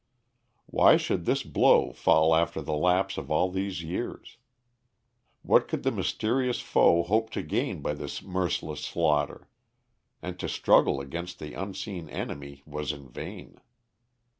Why should this blow fall after the lapse of all these years? What could the mysterious foe hope to gain by this merciless slaughter? And to struggle against the unseen enemy was in vain.